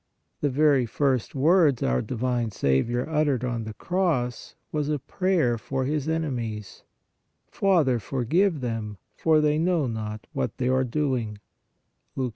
The very first words our divine Saviour uttered on the cross was a prayer for His enemies :" Father, forgive them, for they know not what they are doing" (Luke 23.